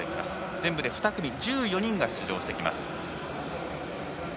全部で２組１４人が出場してきます。